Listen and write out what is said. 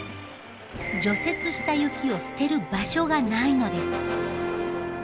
除雪した雪を捨てる場所がないのです。